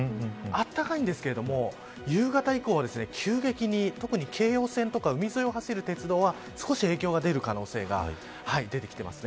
あったかいんですけど夕方以降は急激に特に京葉線とか海沿いを走る鉄道は少し影響が出る可能性が出てきています。